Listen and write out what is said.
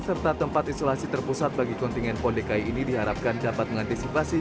serta tempat isolasi terpusat bagi kontingen pon dki ini diharapkan dapat mengantisipasi